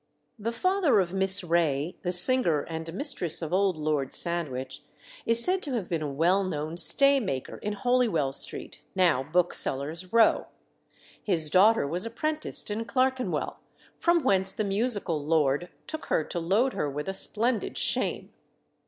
The father of Miss Ray, the singer, and mistress of old Lord Sandwich, is said to have been a well known staymaker in Holywell Street, now Booksellers' Row. His daughter was apprenticed in Clerkenwell, from whence the musical lord took her to load her with a splendid shame.